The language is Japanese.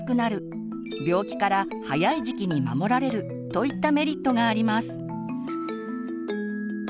といったメリットがあります。